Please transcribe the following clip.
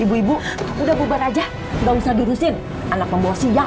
ibu ibu udah bubar aja gak usah dirusin anak pembawa siyap